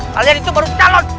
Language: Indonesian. kalian itu baru calon